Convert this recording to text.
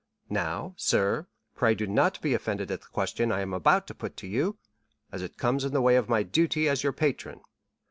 Now, sir, pray do not be offended at the question I am about to put to you, as it comes in the way of my duty as your patron.